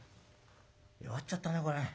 「弱っちゃったねこれ。